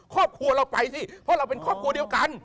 ครอบครัวเราไปสิเพราะเราเป็นครอบครัวเดียวกัน